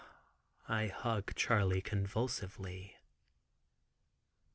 I hug Charley convulsively.